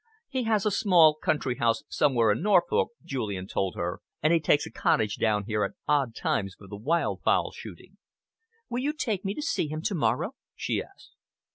"He has a small country house somewhere in Norfolk," Julian told her, "and he takes a cottage down here at odd times for the wild fowl shooting." "Will you take me to see him to morrow?" she asked.